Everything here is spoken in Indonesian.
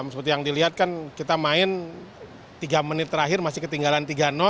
seperti yang dilihat kan kita main tiga menit terakhir masih ketinggalan tiga